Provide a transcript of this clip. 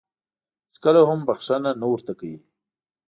هېڅکله هم بښنه نه ورته کوي .